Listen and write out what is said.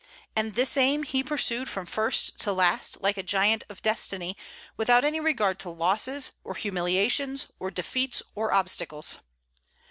And this aim he pursued from first to last, like a giant of destiny, without any regard to losses, or humiliations, or defeats, or obstacles.